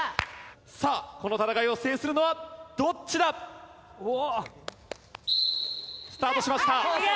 さあこの戦いを制するのはどっちだ？スタートしました。